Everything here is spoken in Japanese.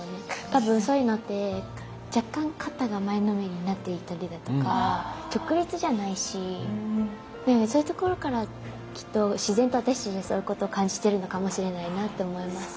多分そういうのって若干肩が前のめりになっていたりだとか直立じゃないしそういうところからきっと自然と私たちはそういうことを感じてるのかもしれないなって思います。